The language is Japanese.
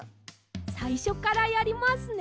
さいしょからやりますね。